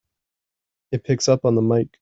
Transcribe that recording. It picks up on the mike!